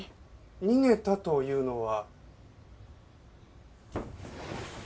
逃げたというのは？